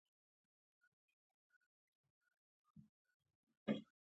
د اوبو کمښت د قدرت د تعادل بدلون ښيي.